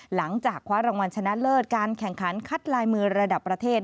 หลังจากคว้ารางวัลชนะเลิศการแข่งขันคัดลายมือระดับประเทศ